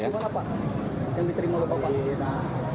yang diterima oleh bapak